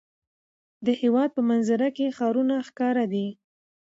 د هېواد په منظره کې ښارونه ښکاره دي.